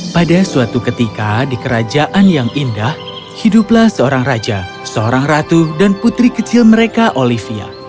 pada suatu ketika di kerajaan yang indah hiduplah seorang raja seorang ratu dan putri kecil mereka olivia